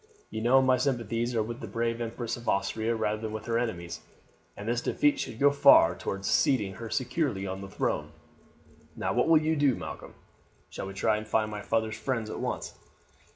You know my sympathies are with the brave Empress of Austria rather than with her enemies, and this defeat should go far towards seating her securely on the throne. Now, what will you do, Malcolm? Shall we try and find my father's friends at once?"